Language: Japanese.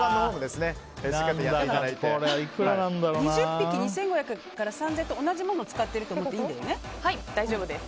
２０匹２５００円から３０００円のと同じものを使っていると思って大丈夫です。